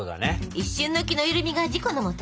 一瞬の気の緩みが事故のもと。